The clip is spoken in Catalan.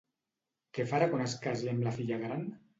Què farà quan es casi amb la filla gran?